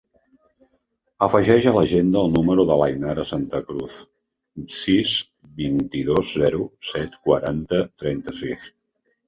Afegeix a l'agenda el número de l'Ainara Santacruz: sis, vint-i-dos, zero, set, quaranta, trenta-sis.